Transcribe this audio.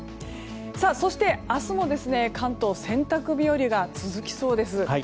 そして明日も関東洗濯日和が続きそうです。